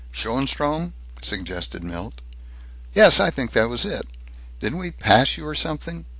"Schoenstrom?" suggested Milt. "Yes, I think that was it. Didn't we pass you or something?